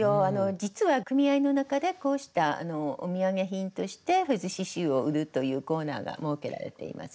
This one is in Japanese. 実は組合の中でこうしたお土産品としてフェズ刺しゅうを売るというコーナーが設けられています。